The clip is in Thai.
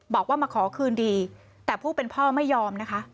บอกว่ามาขอคืนดีแต่ผู้เป็นพ่อไม่ยอมนะคะ